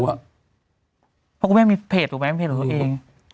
เพราะคุณแม่มีเพจเลยเอง